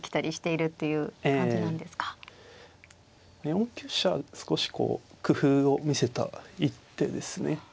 ４九飛車は少しこう工夫を見せた一手ですね。